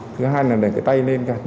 thứ hai là để cái tay lên